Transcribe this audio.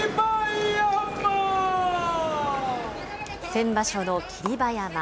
先場所の霧馬山。